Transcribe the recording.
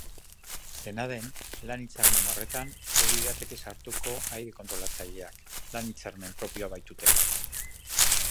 Dena den, lan-hitzarmen horretan ez lirateke sartuko aire-kontrolatzaileak, lan-hitzarmen propioa baitute.